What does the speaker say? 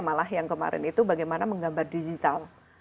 malah yang kemarin itu bagaimana menggambar digital